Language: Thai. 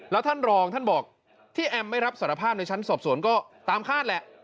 แล้วท่านรองท่านบอกที่แอมไม่รับสารภาพในชั้นสอบสวนก็ตามคาดแหละ